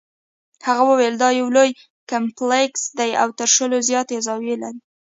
هغه وویل دا یو لوی کمپلیکس دی او تر شلو زیاتې زاویې لري.